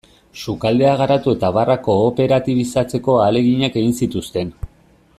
Sukaldea garatu eta barra kooperatibizatzeko ahaleginak egin zituzten.